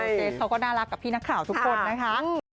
เจสเขาก็น่ารักกับพี่นักข่าวทุกคนนะคะ